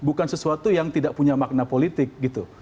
bukan sesuatu yang tidak punya makna politik gitu